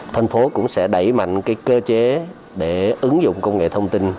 thành phố cũng sẽ đẩy mạnh cơ chế để ứng dụng công nghệ thông tin